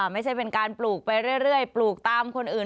ไม่ใช่เป็นการปลูกไปเรื่อยปลูกตามคนอื่น